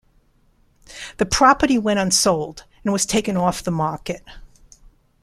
The property went unsold, and was taken off the market.